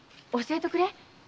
教えとくれ？